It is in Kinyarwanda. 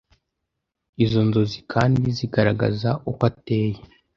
Izo nzozi kandi zigaragaza uko ateye